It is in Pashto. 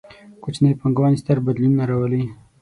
کوچنۍ پانګونې، ستر بدلونونه راولي